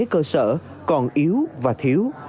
cơ sở còn yếu và thiếu